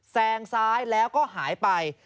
แซงซ้ายแล้วก็หายไป